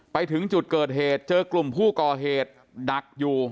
ไปถึงจุดเกิดเหตุเจอกลุ่มผู้ก่อเหตุดักอยู่